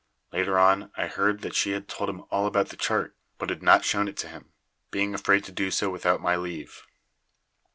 Later on, I heard that she had told him all about the chart, but had not shown it to him, being afraid to do so without my leave.